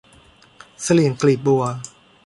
เสลี่ยงกลีบบัว